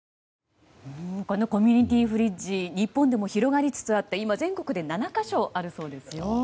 このコミュニティフリッジ日本でも広がりつつあって今、全国で７か所あるそうですよ。